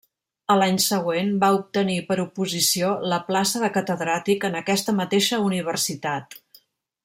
A l'any següent va obtenir per oposició la plaça de catedràtic en aquesta mateixa universitat.